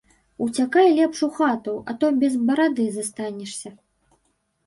Уцякай лепш у хату, а то без барады застанешся.